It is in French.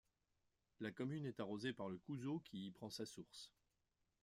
La commune est arrosée par le Couzeau qui y prend sa source.